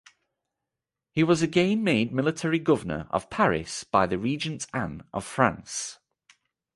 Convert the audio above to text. He was again made Military governor of Paris by the regent Anne of France.